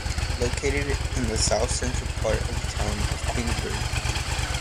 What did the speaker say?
It is located in the south-central part of the town of Queensbury.